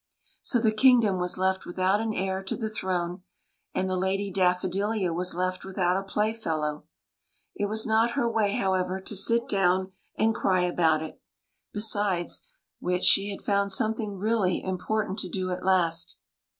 So the kingdom was left without an heir to the throne, and the Lady Daffodilia was left without a playfellow. It was not her way, however, to sit down and cry about it. THE LADY DAFFODILIA 153 besides which she had found something really important to do at last.